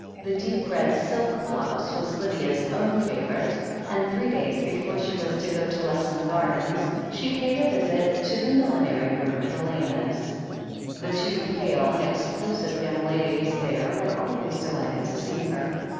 The deep red silk blouse was Lydia's own favourite, and three days before she was to go to Lexham Gardens she paid a visit to the millinery room at Elena's. 214 THE HEEL OF ACHILLES The two pale and exclusive young ladies there were always delighted to see her.